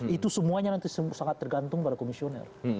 itu semuanya nanti sangat tergantung pada komisioner